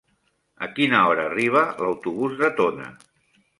A quina hora arriba l'autobús de Tona?